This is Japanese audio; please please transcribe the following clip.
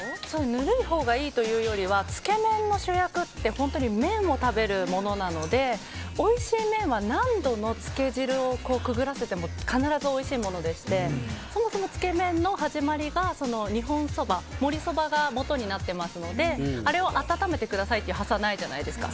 ぬるいほうがいいというよりつけ麺の主役って本当に麺を食べるものなのでおいしい麺は何度のつけ汁をくぐらせても必ずおいしいものでしてそもそもつけ麺の始まりが日本そばもりそばがもとになってますのであれを温めてくださいって発想はないじゃないですか。